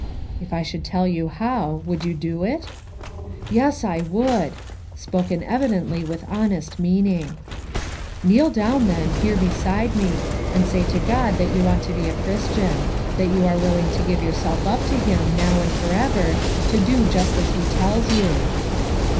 "If I should tell you how, would you do it?" "Yes, I would," spoken evidently with honest meaning. "Kneel down, then, here beside me, and say to God that you want to be a Christian; that you are willing to give yourself up to Him now and for ever, to do just as He tells you."